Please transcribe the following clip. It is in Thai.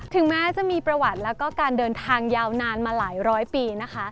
ถึงแม้จะมีประวัติแล้วก็การเดินทางยาวนานมาหลายร้อยปีนะคะ